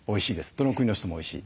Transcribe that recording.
どの国の人もおいしい。